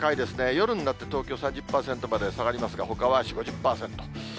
夜になって東京３０％まで下がりますが、ほかは４、５０％。